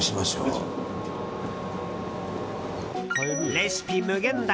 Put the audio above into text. レシピ無限大。